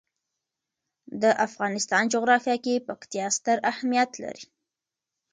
د افغانستان جغرافیه کې پکتیا ستر اهمیت لري.